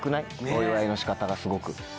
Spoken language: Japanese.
お祝いの仕方がすごく。